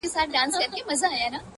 ستا د مخ د سپین کتاب پر هره پاڼه,